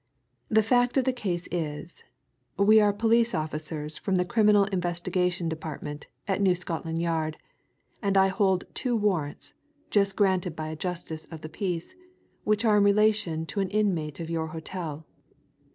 The fact of the case is, we are police officers from the Criminal Investigation Department at New Scotland Yard, and I hold two warrants, just granted by a justice of peace, which are in relation to an inmate of your hotel."